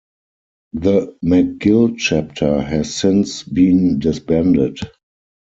The McGill chapter has since been disbanded.